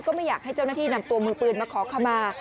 ไม่อยากให้เจ้าหน้าที่นำตัวมือปืนมาขอขมา